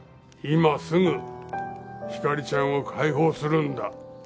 今すぐひかりちゃんを解放するんだ。